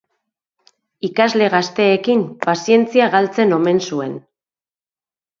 Ikasle gazteekin pazientzia galtzen omen zuen.